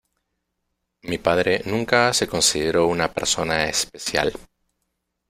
Mi padre nunca se consideró una persona especial.